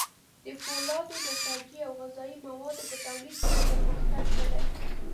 د فولادو، نساجي او غذايي موادو په تولید کې یې پرمختګ کړی.